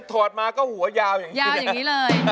อดมาก็หัวยาวอย่างนี้เลย